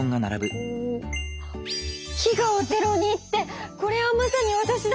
「飢餓をゼロに」ってこれはまさにわたしだ！